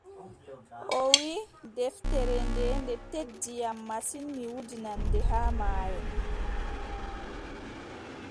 O wiʼi: deftere nde, nde teddi am masin mi wudinan nde haa maayo.